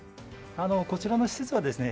こちらの施設はですね